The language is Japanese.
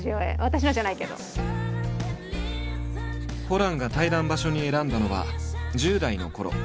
ホランが対談場所に選んだのは１０代のころ